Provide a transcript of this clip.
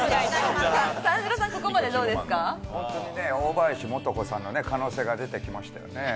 本当に大林素子さんの可能性が出てきましたよね。